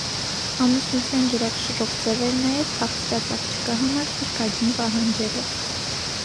Ամուսնության գերակշռող ձև էր նաև փախցրած աղջկա համար «փրկագին» պահանջելը։